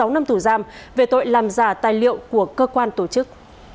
sáu năm tù giam về tội làm giả tài liệu của cơ quan tổ chức